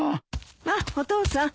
あっお父さん